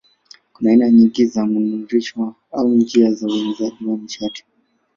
Kuna aina nyingi za mnururisho au njia za uenezaji wa nishati.